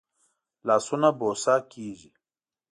لاسونه بوسه کېږي